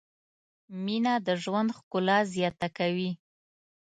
مینه د ژوند ښکلا زیاته کوي.